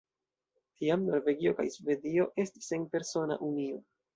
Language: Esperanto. Tiam, Norvegio kaj Svedio estis en persona unio.